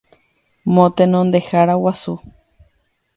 Motenondehára Guasu